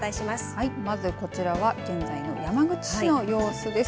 はいこちらは現在の山口市の様子です。